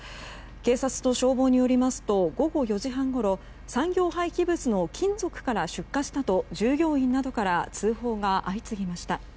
警察と消防によりますと午後４時半ごろ産業廃棄物の金属から出火したと従業員などから通報が相次ぎました。